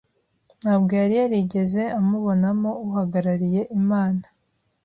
Ntabwo yari yarigeze amubonamo uhagarariye Imana.